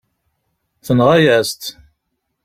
Tenɣa-yas-t.